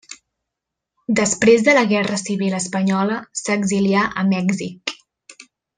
Després de la guerra civil espanyola s'exilià a Mèxic.